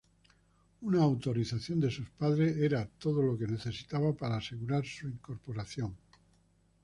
Una autorización de sus padres era todo lo necesario para asegurar su incorporación.